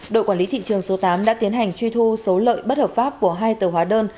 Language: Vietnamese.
đội quản lý thị trường số tám đã tiến hành truy thu số lợi bất hợp pháp của hai tờ hóa đơn